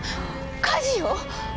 火事よ！